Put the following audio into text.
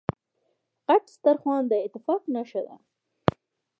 غټ سترخوان داتفاق نښه ده.